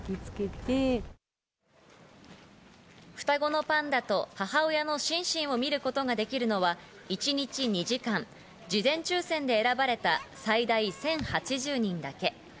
双子のパンダと母親のシンシンを見ることができるのは、一日２時間、事前抽選で選ばれた最大１０８０人だけ。